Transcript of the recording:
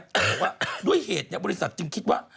แต่ว่าด้วยเหตุบริษัทจึงคิดว่า